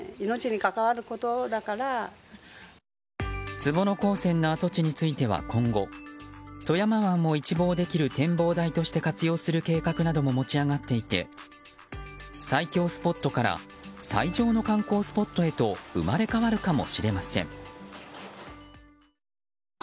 坪野鉱泉の跡地については今後富山湾を一望できる展望台として活用する計画なども持ち上がっていて最恐スポットから最上の観光スポットへと生まれ変わるかもしれません。